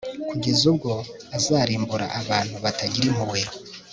kugeza ubwo azarimbura abantu batagira impuhwe